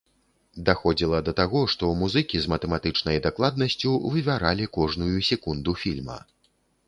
Даходзіла да таго, што музыкі з матэматычнай дакладнасцю вывяралі кожную секунду фільма.